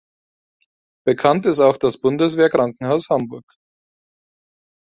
Bekannt ist auch das Bundeswehrkrankenhaus Hamburg.